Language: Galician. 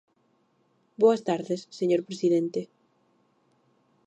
Boas tardes, señor presidente.